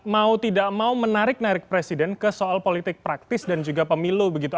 mau tidak mau menarik narik presiden ke soal politik praktis dan juga pemilu begitu